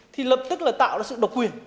thì lập tức là tạo ra sự độc quyền